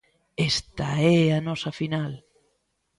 Esta é a nosa final.